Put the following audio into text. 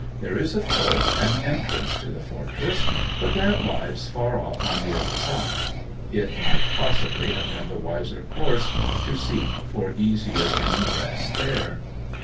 There is, of course, an entrance to the fortress; but that lies far off on the other side. It might possibly have been the wiser course to seek for easier ingress there.